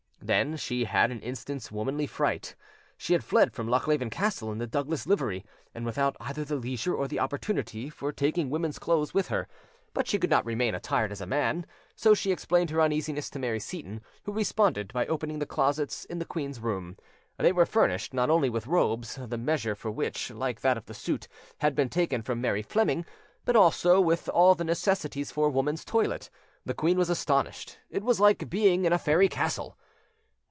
Then she had an instant's womanly fright: she had fled from Lochleven Castle in the Douglas livery, and without either the leisure or the opportunity for taking women's clothes with her. But she could not remain attired as a man; so she explained her uneasiness to Mary Seyton, who responded by opening the closets in the queen's room. They were furnished, not only with robes, the measure for which, like that of the suit, had been taken from Mary Fleming, but also with all the necessaries for a woman's toilet. The queen was astonished: it was like being in a fairy castle.